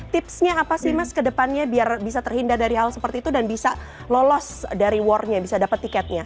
tipsnya apa sih mas ke depannya biar bisa terhindar dari hal seperti itu dan bisa lolos dari warnya bisa dapat tiketnya